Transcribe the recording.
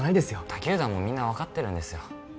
他球団もみんな分かってるんですよ